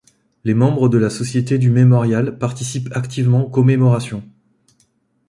Les membres de la Société du Mémorial participent activement aux commémorations.